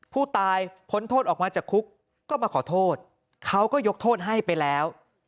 พ้นโทษออกมาจากคุกก็มาขอโทษเขาก็ยกโทษให้ไปแล้ว